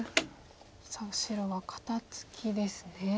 さあ白は肩ツキですね。